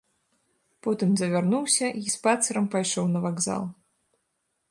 Потым завярнуўся й спацырам пайшоў на вакзал.